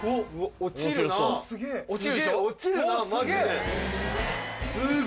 落ちるなマジで。